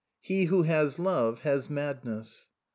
' He who has love has madness.'